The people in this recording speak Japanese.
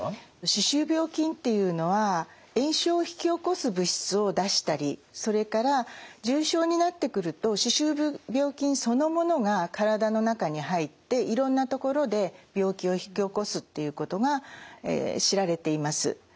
歯周病菌っていうのは炎症を引き起こす物質を出したりそれから重症になってくると歯周病菌そのものが体の中に入っていろんなところで病気を引き起こすっていうことが知られています。